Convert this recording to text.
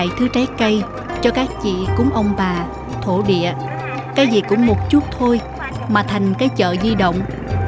thứ trái cây cho các chị cúng ông bà thổ địa cái gì cũng một chút thôi mà thành cái chợ di động